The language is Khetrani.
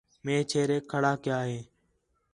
مئے چھیریک کھڑا کَیا ہِے